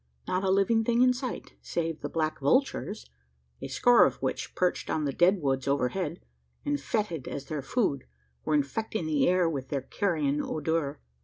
Not a living thing in sight save the black vultures a score of which, perched on the dead woods overhead, and fetid as their food, were infecting the air with their carrion odour.